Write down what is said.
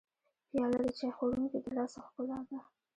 پیاله د چای خوړونکي د لاس ښکلا ده.